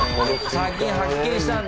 砂金発見したんだ！